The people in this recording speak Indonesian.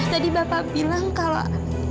tadi bapak bilang kalau